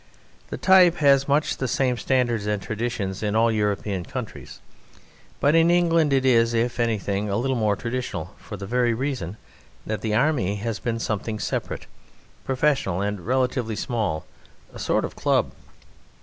The type has much the same standards and traditions in all European countries; but in England it is, if anything, a little more traditional, for the very reason that the army has been something separate, professional, and relatively small a sort of club.